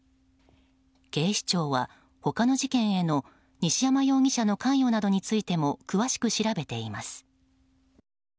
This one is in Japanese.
警視庁は他の事件への西山容疑者の関与などについても詳しく調べています。